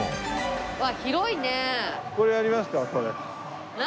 うわっ広いね。何？